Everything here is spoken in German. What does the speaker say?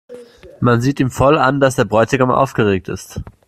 Man sieht ihm voll an, dass der Bräutigam aufgeregt ist.